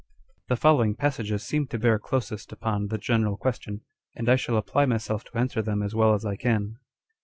The following passages seem to bear closest upon the general question, and I shall apply myself to answer them as well as I can.